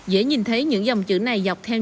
dễ nhìn thấy những dòng chữ này dọc theo